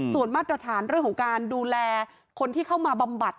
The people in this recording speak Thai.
ส่วนมาตรฐานเรื่องของการดูแลคนที่เข้ามาบำบัด